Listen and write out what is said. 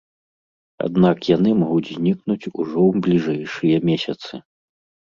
Аднак яны могуць знікнуць ужо ў бліжэйшыя месяцы.